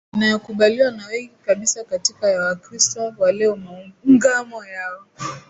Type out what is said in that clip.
inayokubaliwa na wengi kabisa kati ya Wakristo wa leo Maungamo yao